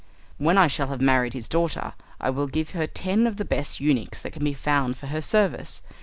When I shall have married his daughter I will give her ten of the best eunuchs that can be found for her service.